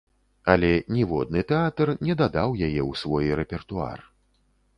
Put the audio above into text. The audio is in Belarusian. Але ніводны тэатр не дадаў яе ў свой рэпертуар.